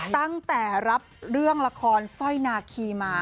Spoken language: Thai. ตั้งแต่รับเรื่องละครสร้อยนาคีมา